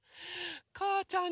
かーちゃん